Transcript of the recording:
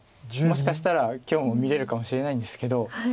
もしかしたら今日も見れるかもしれないんですけど。